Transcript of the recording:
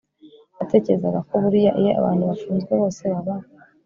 natekerezaga ko buriya iyo abantu bafunzwe bose baba